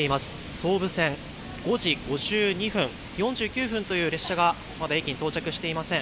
総武線５時５２分、４９分という列車がまだ駅に到着していません。